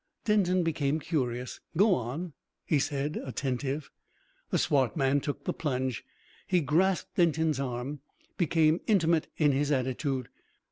Denton became curious. "Go on," he said, attentive. The swart man took the plunge. He grasped Denton's arm, became intimate in his attitude.